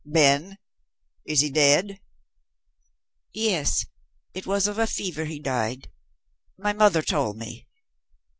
"Been? Is he dead?" "Yes. It was of a fever he died. My mother told me.